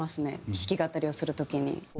弾き語りをする時に。